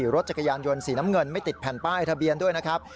รถจักรยานยนต์สีน้ำเงินไม่ติดแผ่นป้ายทะเบียนด้วยนะครับ